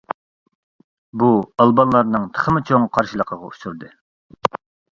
بۇ ئالبانلارنىڭ تېخىمۇ چوڭ قارشىلىقىغا ئۇچرىدى.